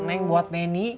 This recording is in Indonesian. neng buat neni